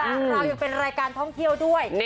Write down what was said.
เรายังเป็นรายการท่องเที่ยวด้วย